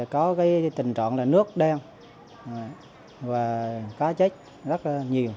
có cái tình trạng là nước đen và cá chết rất là nhiều